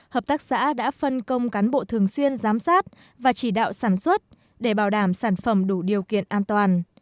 hợp tác xã đã phân công cán bộ thường xuyên giám sát và chỉ đạo sản xuất để bảo đảm sản phẩm đủ điều kiện an toàn